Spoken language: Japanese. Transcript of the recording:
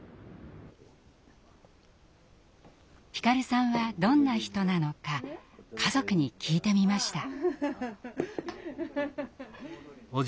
皓さんはどんな人なのか家族に聞いてみました。